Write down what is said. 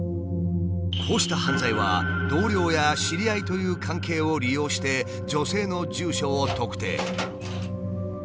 こうした犯罪は同僚や知り合いという関係を利用して女性の住所を特定。